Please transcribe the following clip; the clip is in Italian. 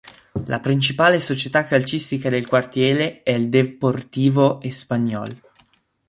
La principale società calcistica del quartiere è il Deportivo Español.